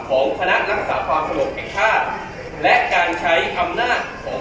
ของคณะรักษาความสงบแห่งชาติและการใช้อำนาจของ